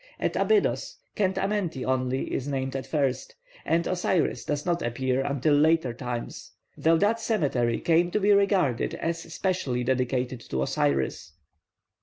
At Abydos Khent amenti only is named at first, and Osiris does not appear until later times, though that cemetery came to be regarded as specially dedicated to Osiris.